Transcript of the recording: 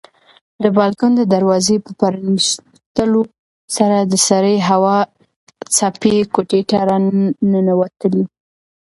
د بالکن د دروازې په پرانیستلو سره د سړې هوا څپې کوټې ته راننوتلې.